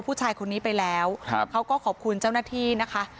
ผู้ชายคนนี้ไปแล้วครับเขาก็ขอบคุณเจ้าหน้าที่นะคะ